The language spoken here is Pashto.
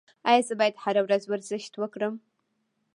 ایا زه باید هره ورځ ورزش وکړم؟